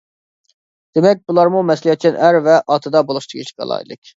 دېمەك، بۇلارمۇ مەسئۇلىيەتچان ئەر ۋە ئاتىدا بولۇشقا تېگىشلىك ئالاھىدىلىك.